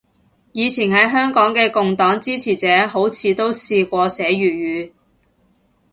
以前喺香港嘅共黨支持者好似都試過寫粵文